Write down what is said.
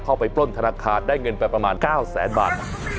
ปล้นธนาคารได้เงินไปประมาณ๙แสนบาท